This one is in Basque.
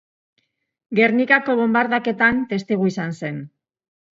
Gernikako bonbardaketan testigu izan zen.